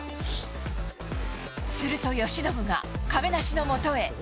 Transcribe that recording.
すると由伸が、亀梨のもとへ。